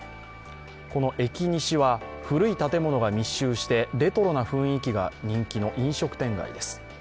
このエキニシは古い建物が密集してレトロな雰囲気が人気の人気の飲食店街です。